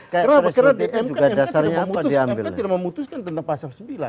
karena di mk tidak memutuskan tentang pasal sembilan